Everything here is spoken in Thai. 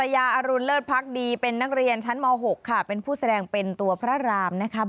ยาอรุณเลิศพักดีเป็นนักเรียนชั้นม๖ค่ะเป็นผู้แสดงเป็นตัวพระรามนะคะ